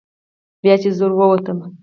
بیا چې زه ور ووتم.